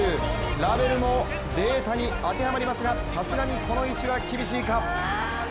ラヴェルもデータに当てはまりますがさすがにこの位置は厳しいか。